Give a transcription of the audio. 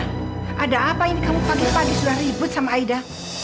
ada apa ini kamu pagi pagi sudah ribut sama aida